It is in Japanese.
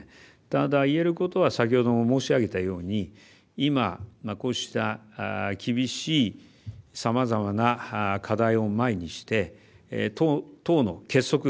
ただ、言えることは先ほども申し上げたように今、こうした厳しいさまざまな課題を前にして党の結束